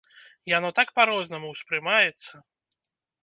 Яно так па-рознаму ўспрымаецца.